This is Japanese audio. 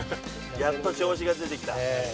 やっと調子が出てきた。